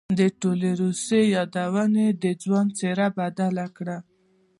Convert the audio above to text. د ټولې روسيې يادونې د ځوان څېره بدله کړه.